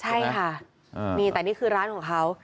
ใช่ค่ะนี่แต่นี่คือร้านของเขา